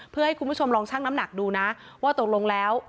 เพื่อให้คุณผู้ชมลองชั่งน้ำหนักดูนะว่าตกลงแล้ว